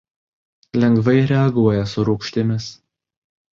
Lengvai reaguoja su rūgštimis.